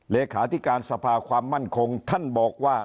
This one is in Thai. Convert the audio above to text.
เลขาธิการสภาความมั่นคงท่านบอกว่า